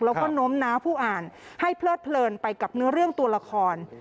แล้วก็โน้มน้าวผู้อ่านให้เพลิดเพลินไปกับเนื้อเรื่องตัวละคร